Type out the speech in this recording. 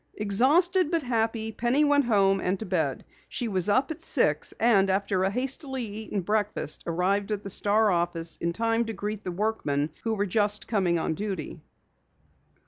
Exhausted but happy, Penny went home and to bed. She was up at six, and after a hastily eaten breakfast, arrived at the Star office in time to greet the workmen who were just coming on duty.